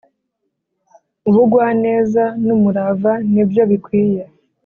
ubugwaneza n’umurava ni byo bikwiye